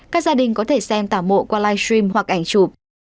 các gia đình có thể xem tả mộ qua live stream hoặc ảnh chụp